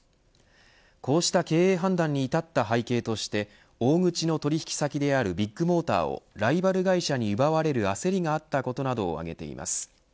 こうした経営判断に至った背景として大口の取引先であるビッグモーターをライバル会社に奪われる焦りがあったことなどを挙げています。